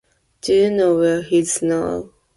Do you know where he is now?